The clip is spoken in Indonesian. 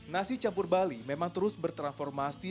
nasi campur bali memang terus bertransformasi